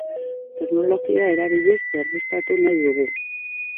Teknologia erabiliz berriztatu nahi dugu.